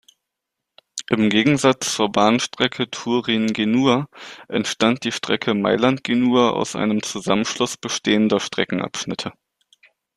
Im Gegensatz zur Bahnstrecke Turin–Genua entstand die Strecke Mailand–Genua aus einem Zusammenschluss bestehender Streckenabschnitte.